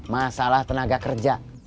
masalah tenaga kerja